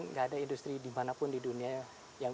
tidak ada industri di dunia yang